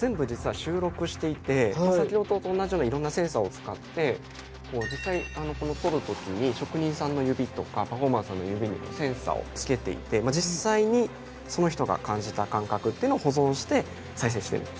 これ先ほどと同じようないろんなセンサーを使って実際撮る時に職人さんの指とかパフォーマンスの指にセンサーを付けていて実際にその人が感じた感覚っていうのを保存して再生しているんです。